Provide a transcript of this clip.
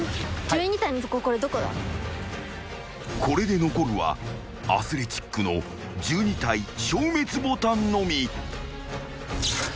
［これで残るはアスレチックの１２体消滅ボタンのみ］